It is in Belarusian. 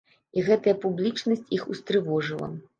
І гэтая публічнасць іх устрывожыла.